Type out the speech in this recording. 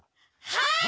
はい！